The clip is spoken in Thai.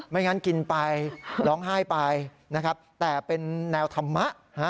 งั้นกินไปร้องไห้ไปนะครับแต่เป็นแนวธรรมะ